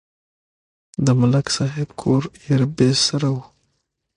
د ملک صاحب کور ایر بېستره و.